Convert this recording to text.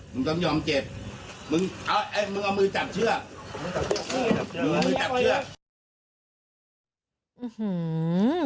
มึงต้องยอมเจ็บมึงเอ้ยมึงเอามือจับเชื่อ